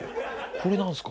これなんすか？